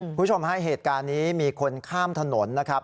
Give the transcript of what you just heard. คุณผู้ชมฮะเหตุการณ์นี้มีคนข้ามถนนนะครับ